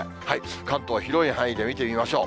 関東、広い範囲で見てみましょう。